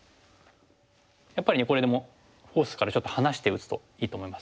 やっぱりねこれでもフォースからちょっと離して打つといいと思います。